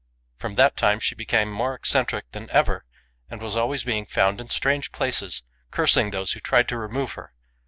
From that time she became more eccentric than ever, and was always being found in strange places, cursing those who tried to remove her.